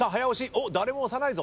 おっ誰も押さないぞ。